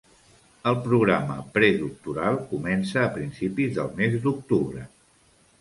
El programa predoctoral comença a principis del mes d'octubre.